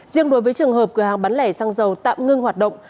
riêng đối với trường hợp cửa hàng bán lẻ sang giàu tạm ngưng hoạt động